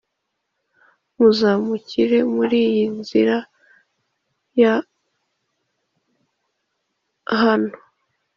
Muzamukire muri iyi nzira yahano